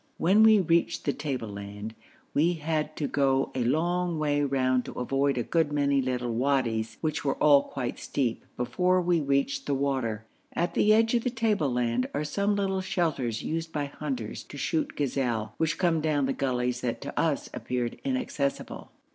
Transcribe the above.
When we reached the tableland we had to go a long way round to avoid a good many little wadis which were all quite steep, before we reached the water. At the edge of the tableland are some little shelters used by hunters to shoot gazelle, which come down the gullies that to us appeared, inaccessible.